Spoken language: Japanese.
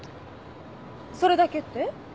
それだけって？